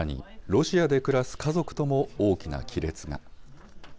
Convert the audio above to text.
ロシアで暮らす家族とも、大きな亀裂が。